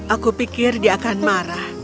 aku pikir dia akan marah